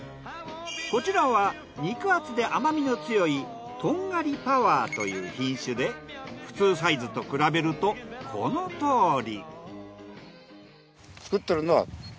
こちらは肉厚で甘みの強いとんがりパワーという品種で普通サイズと比べるとこのとおり。